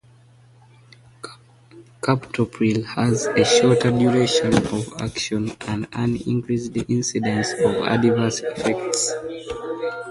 Captopril has a shorter duration of action and an increased incidence of adverse effects.